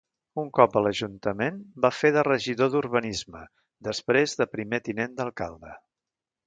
Un cop a l'Ajuntament va fer de regidor d'Urbanisme després de primer tinent d'alcalde.